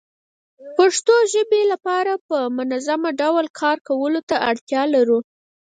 پښتو ژبې لپاره په منظمه ډول کار کولو ته اړتيا لرو